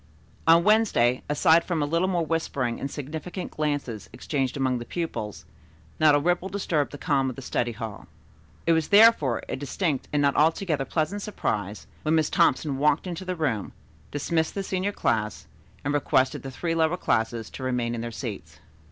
On Wednesday, aside from a little more whispering and significant glances exchanged among the pupils, not a ripple disturbed the calm of the study hall. It was therefore a distinct and not altogether pleasant surprise when Miss Thompson walked into the room, dismissed the senior class and requested the three lower classes to remain in their seats.